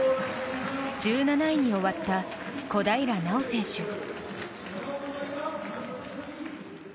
１７位に終わった小平奈緒選手。